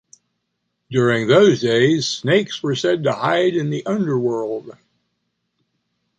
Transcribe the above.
During those days, snakes were said to hide in the underworld.